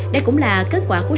đây cũng là kết quả của